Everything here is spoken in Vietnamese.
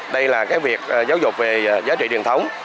đây là cái việc giáo dục về giá trị truyền thống